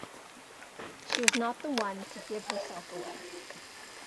She was not the one to give herself away.